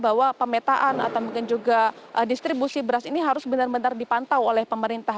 bahwa pemetaan atau mungkin juga distribusi beras ini harus benar benar dipantau oleh pemerintah